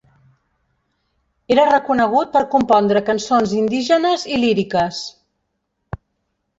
Era reconegut per compondre cançons indígenes i líriques.